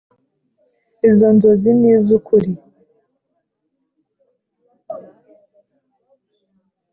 Izo nzozi ni iz ukuri